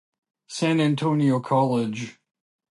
San Antonio College.